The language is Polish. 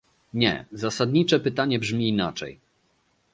Nie, zasadnicze pytanie brzmi inaczej